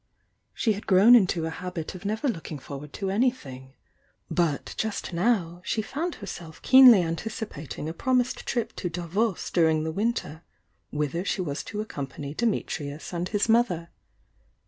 She had grown into a habit of never look THE YOUNG DIANA isa ing forward to anything — but just now she found herself keenly anticipating a promised trip to Davos during the winter, whither she was to accompany Dimitrius and his mother.